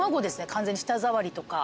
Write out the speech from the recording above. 完全に舌触りとか。